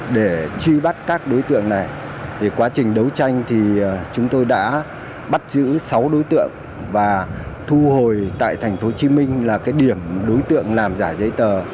để truy bắt các đối tượng này thì quá trình đấu tranh thì chúng tôi đã bắt giữ sáu đối tượng và thu hồi tại tp hcm là cái điểm đối tượng làm giả giấy tờ